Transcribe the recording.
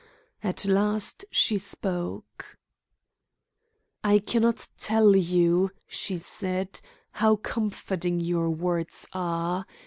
At last she spoke: "I cannot tell you," she said, "how comforting your words are.